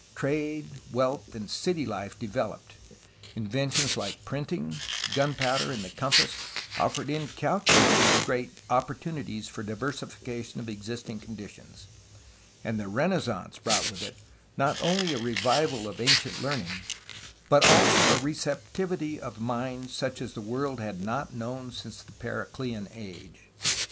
Trade, wealth, and city life developed; inventions like printing, gunpowder, and the compass offered incal culably great opportunities for diversification of existing conditions; and the Renaissance brought with it not only a revival of ancient learning but also a receptivity of mind such as the world had not known since the Periclean Age.